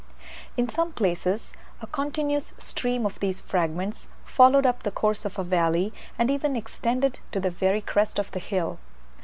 In some places, a continuous stream of these fragments followed up the course of a valley, and even extended to the very crest of the hill.